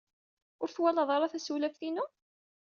Ur twalad ara tasewlaft-inu?